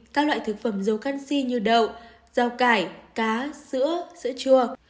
các loại thực phẩm dấu canxi như đậu rau cải cá sữa sữa chua